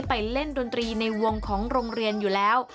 ไปเล่นดนตรีในวงของโรงเรียนอยู่แล้ว